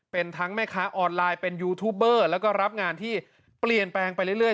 เป็นทั้งแม่ค้าออนไลน์เป็นยูทูบเบอร์แล้วก็รับงานที่เปลี่ยนแปลงไปเรื่อย